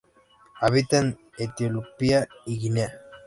Habita en Etiopía y Guinea.